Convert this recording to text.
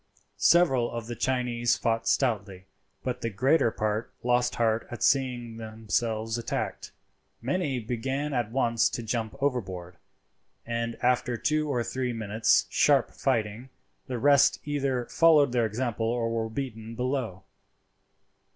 Several of the Chinese fought stoutly, but the greater part lost heart at seeing themselves attacked. Many began at once to jump overboard, and after two or three minutes' sharp fighting, the rest either followed their example or were beaten below.